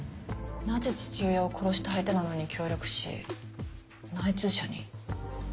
なぜ父親を殺した相手なのに協力し内通者に？